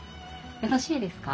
よろしいですか？